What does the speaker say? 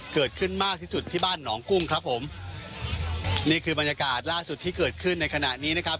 เกิดขึ้นมากที่สุดที่บ้านหนองกุ้งครับผมนี่คือบรรยากาศล่าสุดที่เกิดขึ้นในขณะนี้นะครับ